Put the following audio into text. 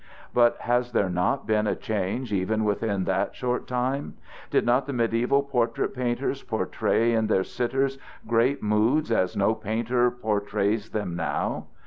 But has there not been a change even within that short time? Did not the medieval portrait painters portray in their sitters great moods as no painter portrays them now?